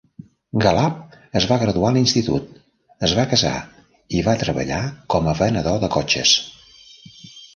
Galab es va graduar a l'institut, es va casar i va treballar com a venedor de cotxes.